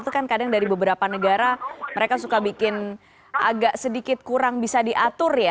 itu kan kadang dari beberapa negara mereka suka bikin agak sedikit kurang bisa diatur ya